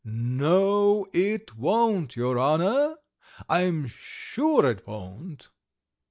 "No, it won't, your honour! I am sure it won't."